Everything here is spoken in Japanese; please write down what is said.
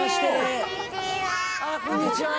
こんにちはー。